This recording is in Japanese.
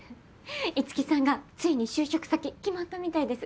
樹さんがついに就職先決まったみたいです。